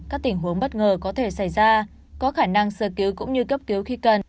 các tình huống bất ngờ có thể xảy ra có khả năng sơ cứu cũng như cấp cứu khi cần